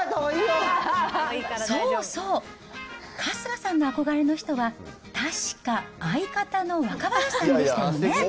そうそう、春日さんの憧れの人は、確か相方の若林さんでしたよね。